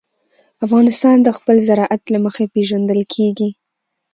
افغانستان د خپل زراعت له مخې پېژندل کېږي.